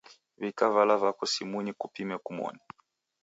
W'ika vala vako simunyi kukupime kumoni.